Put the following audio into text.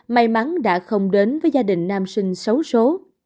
may mắn đã không đến với gia đình nam sinh xấu xố